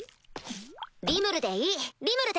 リムルでいいリムルで！